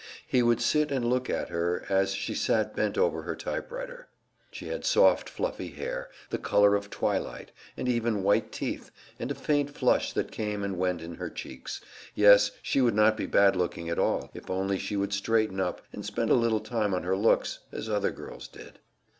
He would sit and look at her, as she sat bent over her typewriter. She had soft, fluffy hair, the color of twilight, and even white teeth, and a faint flush that came and went in her cheeks yes, she would not be bad looking at all, if only she would straighten up, and spend a little time on her looks, as other girls did.